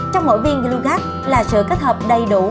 trong mỗi viên glogab là sự kết hợp đầy đủ